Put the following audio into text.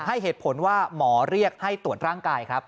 ให้เหตุผลว่าหมอเรียกให้ตรวจร่างกายครับ